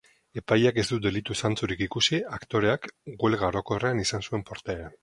Epaileak ez du delitu zantzurik ikusi aktoreak huelga orokorrean izan zuen portaeran.